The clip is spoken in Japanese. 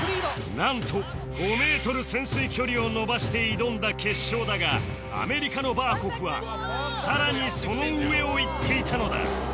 なんと５メートル潜水距離を伸ばして挑んだ決勝だがアメリカのバーコフはさらにその上をいっていたのだ